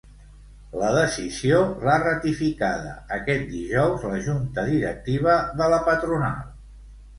La decisió l'ha ratificada aquest dijous la Junta Directiva de la patronal.